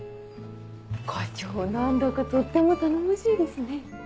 課長何だかとっても頼もしいですね。